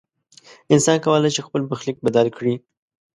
انسان کولی شي خپل برخلیک بدل کړي.